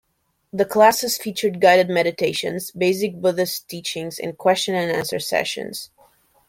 The classes feature guided meditations, basic Buddhist teachings, and question-and-answer sessions.